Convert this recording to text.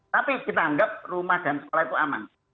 tapi kita anggap rumah dan sekolah itu aman